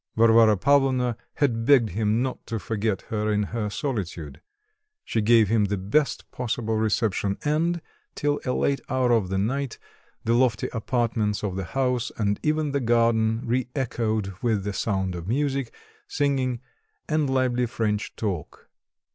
Varvara Pavlovna had begged him not to forget her in her solitude. She gave him the best possible reception, and, till a late hour of the night, the lofty apartments of the house and even the garden re echoed with the sound of music, singing, and lively French talk.